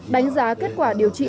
đánh giá kết quả điều truyền